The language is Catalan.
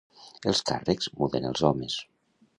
Els càrrecs muden els homes.